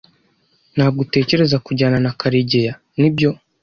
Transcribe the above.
Ntabwo utekereza kujyana na Karegeya, nibyo?